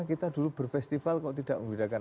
kita dulu berfestival kok tidak membedakan